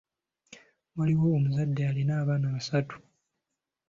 Waaliwo omuzadde alina abaana basaatu.